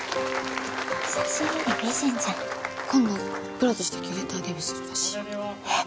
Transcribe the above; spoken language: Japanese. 写真より美人じゃん今度プロとしてキュレーターデビューするらしいよえっ